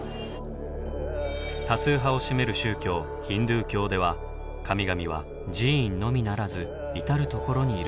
多数派を占める宗教ヒンドゥー教では神々は寺院のみならず至る所にいるんです。